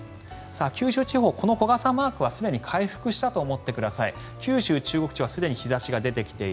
九州地方小傘マークは、すでに回復したと思ってください。